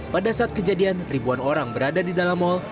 pada saat kejadian ribuan orang berada di dalam mal